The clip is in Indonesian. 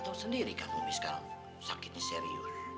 abah tahu sendiri kan umi sekarang sakitnya serius